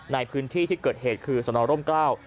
ในพื้นที่ที่เกิดเหตุคือสนร่มกล้า